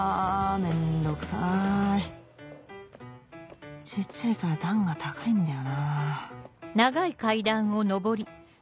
めんどくさい小っちゃいから段が高いんだよなぁ